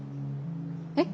えっ？